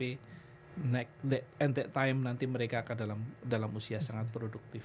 at that time nanti mereka akan dalam usia sangat produktif